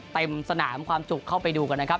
เต็มสนามความจุเข้าไปดูกันนะครับ